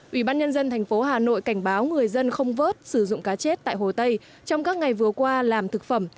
ủy ban nhân dân thành phố hà nội cảnh báo người dân không vớt sử dụng cá chết tại hồ tây trong các ngày vừa qua làm thực phẩm